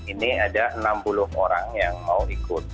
ini ada enam puluh orang yang mau ikut